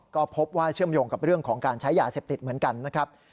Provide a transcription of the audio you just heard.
ก็พบว่าเชื่อมโยงกับเรื่องของการใช้ยาเสพติดเหมือนกันนะครับ